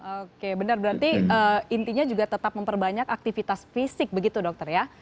oke benar berarti intinya juga tetap memperbanyak aktivitas fisik begitu dokter ya